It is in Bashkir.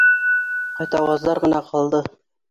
Ҡайтауаздар ғына ҡалды